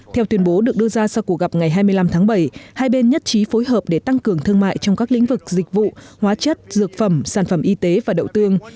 theo tuyên bố được đưa ra sau cuộc gặp ngày hai mươi năm tháng bảy hai bên nhất trí phối hợp để tăng cường thương mại trong các lĩnh vực dịch vụ hóa chất dược phẩm sản phẩm y tế và đậu tương